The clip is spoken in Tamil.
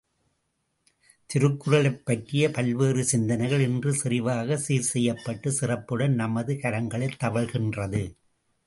திருக்குறளைப் பற்றிய பல்வேறு சிந்தனைகள் இன்று செறிவாகச் சீர்செய்யப்பட்டு, சிறப்புடன் நமது கரங்களில் தவழ்கின்றது.